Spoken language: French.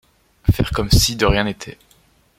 Faire comme si de rien n’était.